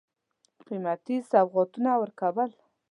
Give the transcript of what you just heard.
قېمتي سوغاتونه ورکړل.